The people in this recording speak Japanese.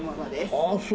ああそう。